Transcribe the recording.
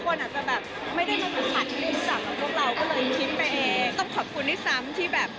ต้องขอบคุณที่ซ้ำที่แบบ